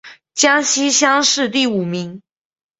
江西乡试第五名。